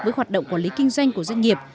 với hoạt động quản lý kinh doanh của doanh nghiệp